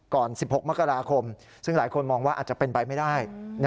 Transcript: ๑๖มกราคมซึ่งหลายคนมองว่าอาจจะเป็นไปไม่ได้